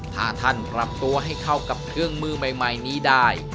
ถ้าท่านปรับตัวให้เข้ากับเครื่องมือใหม่นี้ได้